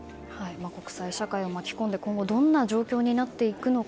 国際社会を巻き込んで今後どのような状況になっていくのか。